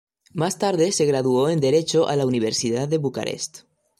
Más tarde se graduó en derecho a la Universidad de Bucarest.